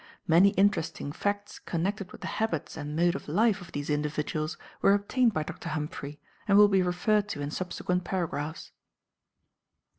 Many interesting facts connected with the habits and mode of life of these individuals were obtained by Dr. Humphry, and will be referred to in subsequent paragraphs.